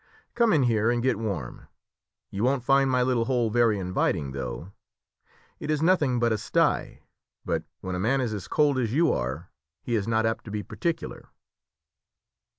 Come in here and get warm. You won't find my little hole very inviting, though. It is nothing but a sty, but when a man is as cold as you are he is not apt to be particular."